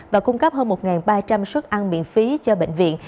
và cung cấp hơn một ba trăm linh suất ăn miễn phí cho bệnh viện